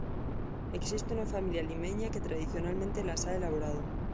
Existe una familia limeña que tradicionalmente las ha elaborado.